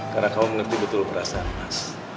karena kamu mengerti betul perasaan mas